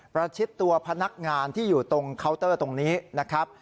ประชิดตัวพนักงานที่อยู่ตรงเคาน์เตอร์ตรงนี้นะครับ